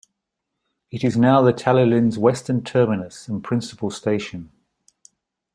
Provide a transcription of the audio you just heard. It is now the Talyllyn's western terminus and principal station.